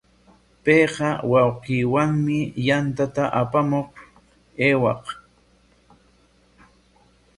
Payqa wawqinwami yantata apamuq aywaq.